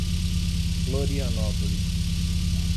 Florianópolis